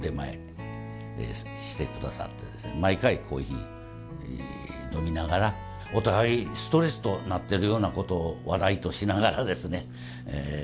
毎回コーヒー飲みながらお互いストレスとなってるようなことを笑いとしながらですね嘆き合うと。